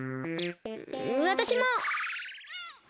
わたしも！